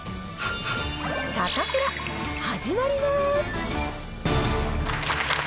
サタプラ、始まりまーす。